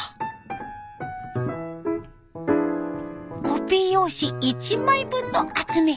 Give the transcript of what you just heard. コピー用紙１枚分の厚み。